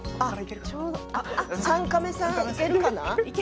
３カメさん、いけるかな？